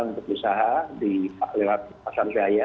untuk usaha lewat pasar jaya